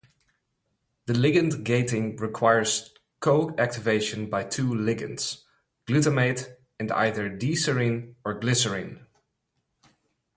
The ligand gating requires co-activation by two ligands: glutamate and either D-serine or glycine.